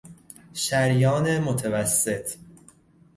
شریان متوسط